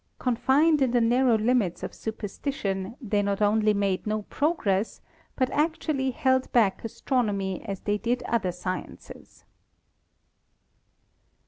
Confined in the narrow limits of super stition, they not only made no progress but actually held back astronomy as they did other sciences.